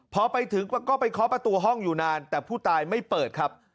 พอไปถึงก็ไปเคาะประตูห้องอยู่นานแต่ผู้ตายไม่เปิดครับ